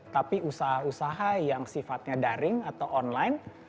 tapi usaha usaha yang sifatnya daring atau online